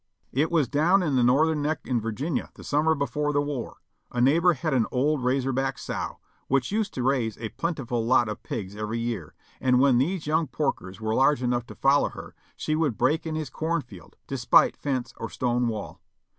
"It was down in the Northern Neck, in Virginia, the summer before the war. A neighbor had an old razorbacked sow, which used to raise a plentiful lot of pigs every year, and when these young porkers were large enough to follow her, she would break in his corn field, despite fence or stone wall.